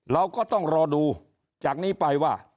เราก็ต้องรอดูจากนี้ไปว่า